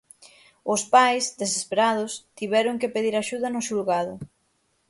Os pais, desesperados, tiveron que pedir axuda no xulgado.